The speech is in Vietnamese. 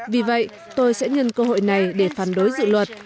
vì vậy tôi sẽ nhân cơ hội này để phản đối dự luật